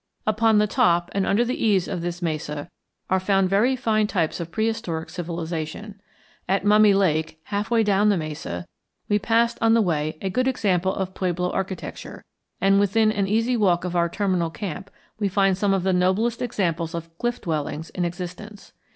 Upon the top and under the eaves of this mesa are found very fine types of prehistoric civilization. At Mummy Lake, half way down the mesa, we passed on the way a good example of pueblo architecture, and within an easy walk of our terminal camp we find some of the noblest examples of cliff dwellings in existence.